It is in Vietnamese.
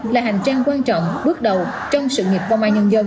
là hành trang quan trọng bước đầu trong sự nghiệp phong mai nhân dân